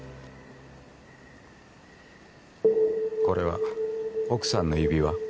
これは奥さんの指輪？